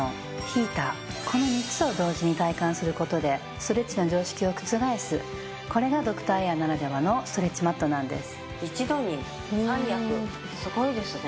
この３つを同時に体感する事でストレッチの常識を覆すこれがドクターエアならではのストレッチマットなんです。